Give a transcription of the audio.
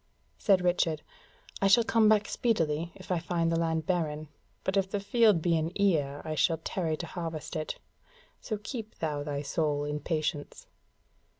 Said Richard: "I shall come back speedily if I find the land barren; but if the field be in ear I shall tarry to harvest it. So keep thou thy soul in patience."